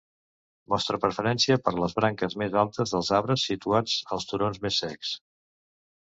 Mostra preferència per les branques més altes dels arbres situats als turons més secs.